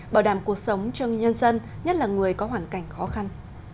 bảo đảm cuộc sống cho nhân dân nhất là người có hoàn cảnh khó khăn